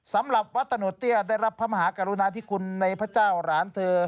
สำหรับวัดตะโนเตี้ยได้รับพระมหากรุณาธิคุณในพระเจ้าหลานเธอ